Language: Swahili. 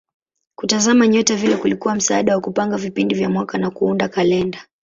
Kutazama nyota vile kulikuwa msaada wa kupanga vipindi vya mwaka na kuunda kalenda.